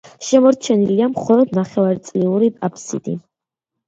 შემორჩენილია მხოლოდ ნახევარწრიული აფსიდი.